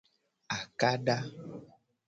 Akada.